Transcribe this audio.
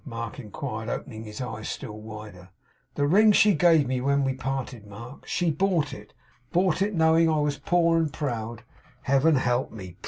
Mark inquired, opening his eyes still wider. 'That ring she gave me when we parted, Mark. She bought it; bought it; knowing I was poor and proud (Heaven help me!